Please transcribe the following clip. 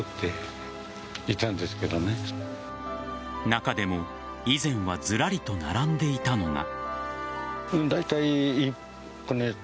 中でも以前はずらりと並んでいたのが。